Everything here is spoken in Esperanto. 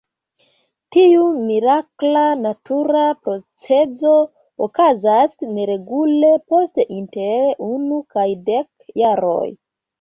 Tiu mirakla natura procezo okazas neregule, post inter unu kaj dek jaroj.